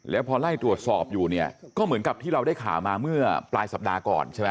แล้วพอไล่ตรวจสอบอยู่เนี่ยก็เหมือนกับที่เราได้ข่าวมาเมื่อปลายสัปดาห์ก่อนใช่ไหม